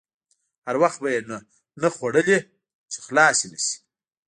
هر وخت به یې نه خوړلې چې خلاصې نه شي.